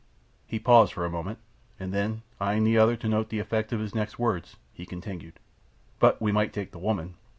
He paused for a moment, and then eyeing the other to note the effect of his next words, he continued, "But we might take the woman.